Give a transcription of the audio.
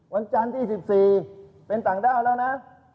วันจันทร์ที่๑๔เป็นต่างด้าวแล้วนะ